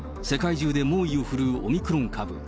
世界中で猛威を振るうオミクロン株。